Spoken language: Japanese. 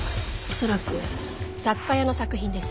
恐らく雑貨屋の作品です。